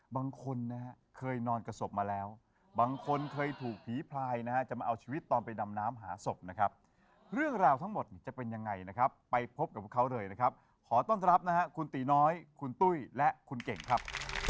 บางคนนะฮะเคยนอนกับศพมาแล้วบางคนเคยถูกผีพลายนะฮะจะมาเอาชีวิตตอนไปดำน้ำหาศพนะครับเรื่องราวทั้งหมดเนี่ยจะเป็นยังไงนะครับไปพบกับพวกเขาเลยนะครับขอต้อนรับนะฮะคุณตีน้อยคุณตุ้ยและคุณเก่งครับ